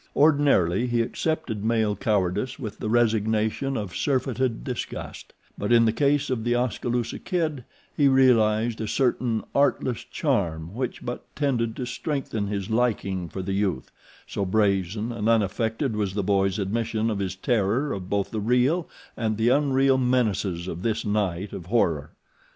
Ordinarily he accepted male cowardice with the resignation of surfeited disgust; but in the case of The Oskaloosa Kid he realized a certain artless charm which but tended to strengthen his liking for the youth, so brazen and unaffected was the boy's admission of his terror of both the real and the unreal menaces of this night of horror.